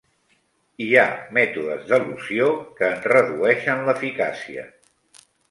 Hi ha mètodes d'elusió que en redueixen l'eficàcia.